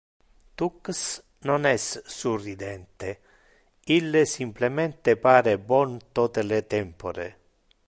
Tux non es surridente, ille simplemente pare bon tote le tempore.